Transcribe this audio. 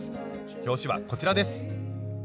表紙はこちらです。